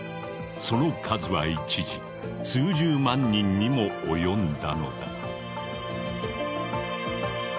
その数は一時数十万人にも及んだのだ。